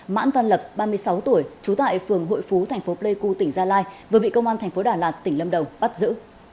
mãn văn lập ba mươi sáu tuổi trú tại phường hội phú thành phố pleiku tỉnh gia lai vừa bị công an thành phố đà lạt tỉnh lâm đồng bắt giữ